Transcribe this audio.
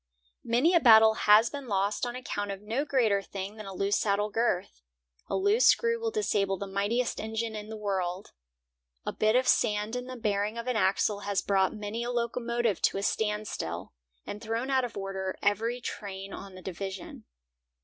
Many a battle has been lost on account of no greater thing than a loose saddle girth. A loose screw will disable the mightiest engine in the world. A bit of sand in the bearing of an axle has brought many a locomotive to a standstill, and thrown out of order every train on the division.